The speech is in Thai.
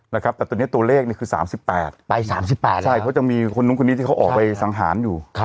แต่ตัวนี้ตัวเลขคือ๓๘ไป๓๘แล้วเขาจะมีคนลงคลุมนี้ที่เขาออกไปสังหารอยู่